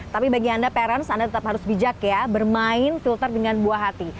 tapi bagi anda parents anda tetap harus bijak ya bermain filter dengan buah hati